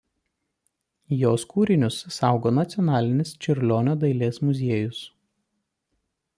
Jos kūrinius saugo Nacionalinis Čiurlionio dailės muziejus.